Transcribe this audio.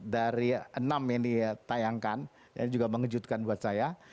dari enam yang ditayangkan ini juga mengejutkan buat saya